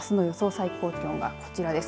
最高気温がこちらです。